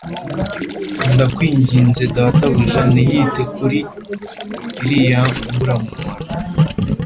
Ndakwinginze databuja ntiyite kuri iriya mburamumaro